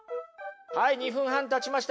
はい２分半たちました